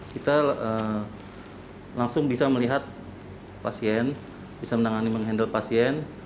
kita langsung bisa melihat pasien bisa menangani menghandle pasien